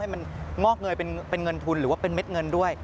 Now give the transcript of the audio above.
มันงอกเงยเป็นเงินทุนหรือว่าเป็นเม็ดเงินด้วย